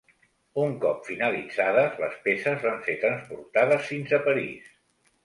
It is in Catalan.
Un cop finalitzades, les peces van ser transportades fins a París.